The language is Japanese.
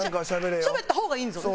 しゃべった方がいいんですよね？